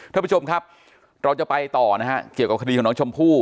ท่านผู้ชมครับเราจะไปต่อนะฮะเกี่ยวกับคดีของน้องชมพู่